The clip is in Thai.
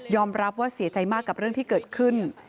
รับว่าเสียใจมากกับเรื่องที่เกิดขึ้น